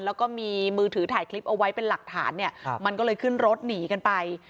แล้วก็มีมือถือถ่ายคลิปเอาไว้เป็นหลักฐานเนี่ยมันก็เลยขึ้นรถหนีกันไป